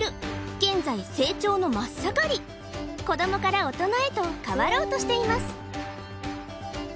現在成長の真っ盛り子どもから大人へと変わろうとしています